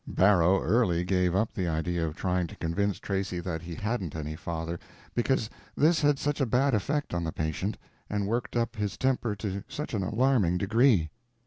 Barrow early gave up the idea of trying to convince Tracy that he hadn't any father, because this had such a bad effect on the patient, and worked up his temper to such an alarming degree.